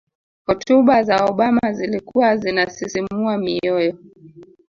hotuba za obama zilikuwa zinasisimua mioyo